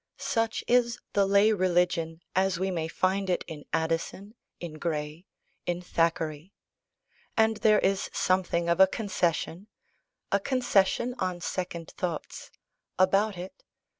Such is the lay religion, as we may find it in Addison, in Gray, in Thackeray; and there is something of a concession a concession, on second thoughts about it.